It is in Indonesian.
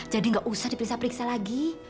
jadi nggak usah dipersiap periksa lagi